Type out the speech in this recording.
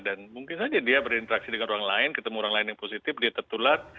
dan mungkin saja dia berinteraksi dengan orang lain ketemu orang lain yang positif dia tertulak